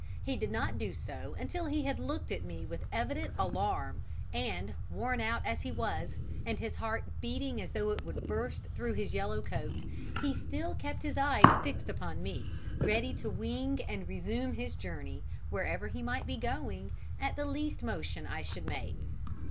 He did not do so until he had looked at me with evident alarm; and, worn out as he was, and his heart beating as though it would burst through his yellow coat, he still kept his eyes fixed upon me, ready to take wing and resume his journey, wherever he might be going, at the least motion I should make.